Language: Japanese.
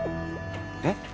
えっ？